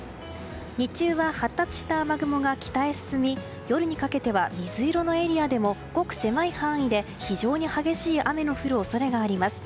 日中は発達した雨雲が北へ進み夜にかけては水色のエリアでもごく狭い範囲で非常に激しい雨の降る恐れがあります。